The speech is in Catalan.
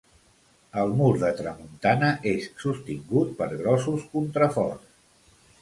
El mur de tramuntana és sostingut per grossos contraforts.